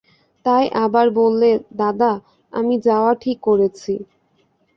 তাই আবার বললে, দাদা, আমি যাওয়া ঠিক করেছি।